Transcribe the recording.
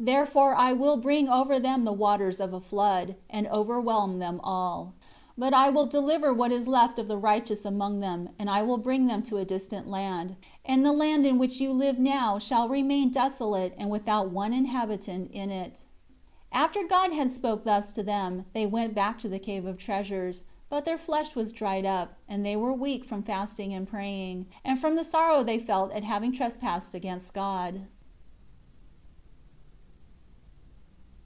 7 Therefore will I bring over them the waters of a flood, and overwhelm them all. But I will deliver what is left of the righteous among them; and I will bring them to a distant land, and the land in which you live now shall remain desolate and without one inhabitant in it. 8 After God had thus spoken to them, they went back to the Cave of Treasures. But their flesh was dried up, and they were weak from fasting and praying, and from the sorrow they felt at having trespassed against God.